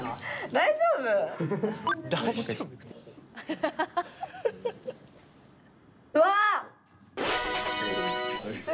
大丈夫？わ！